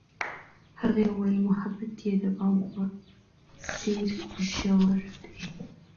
هغې وویل محبت یې د بام په څېر ژور دی.